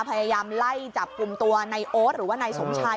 พยายามไล่จับกลุ่มตัวในโอ๊ตหรือว่านายสมชาย